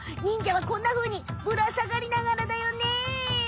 忍者はこんなふうにぶらさがりながらだよね。